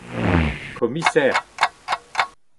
komiser